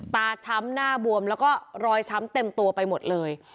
ช้ำหน้าบวมแล้วก็รอยช้ำเต็มตัวไปหมดเลย